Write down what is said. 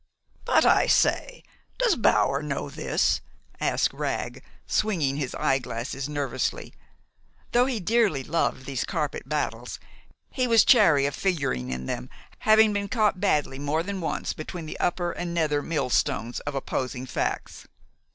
"But, I say, does Bower know this?" asked Wragg, swinging his eyeglasses nervously. Though he dearly loved these carpet battles, he was chary of figuring in them, having been caught badly more than once between the upper and nether millstones of opposing facts.